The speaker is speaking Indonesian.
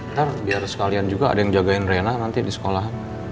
ntar biar sekalian juga ada yang jagain rena nanti di sekolah